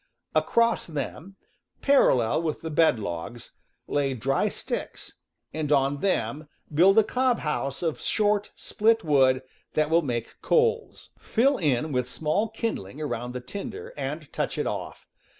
Across them, parallel with the bed logs, lay dry sticks, and on them build a cob house of short split wood that will make coals. Fill in with small kindling around the tinder, and touch it off.